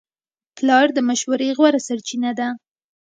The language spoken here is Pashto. پلار د مشورې غوره سرچینه ده.